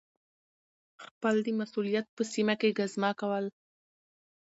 خپل د مسؤلیت په سیمه کي ګزمه کول